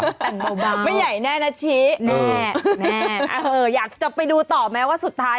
แต่งเบาไม่ใหญ่แน่นะชี้แน่แน่เอออยากจะไปดูต่อไหมว่าสุดท้าย